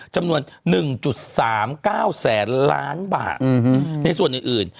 จำนวน๑๓๙แสนล้านบาทในส่วนอื่น